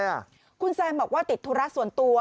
คุณแซมบอกว่าติดธุระส่วนตัว